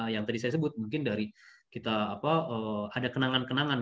yang tadi saya sebut mungkin dari kita ada kenangan kenangan